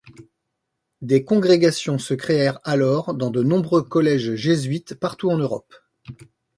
Des congrégations se créèrent alors dans de nombreux collèges jésuites partout en Europe.